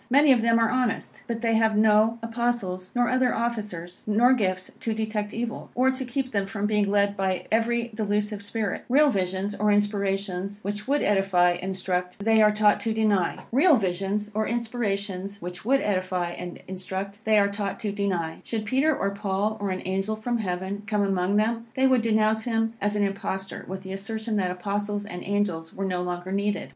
Many of them are honest, but they have no Apostles, nor other officers, nor gifts to detect evil, or to keep them from being led by every delusive spirit. Real visions, or inspirations which would edify and instruct, they are taught to deny. Should Peter or Paul, or an angel from heaven, come among them, they would denounce him as an impostor, with the assertion that Apostles and angels were no longer needed.